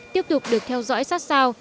tiếp tục được theo dõi sát sao